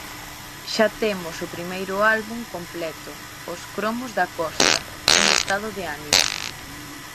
Xa temos o primeiro álbum completo: os cromos da Costa, un estado de ánimo.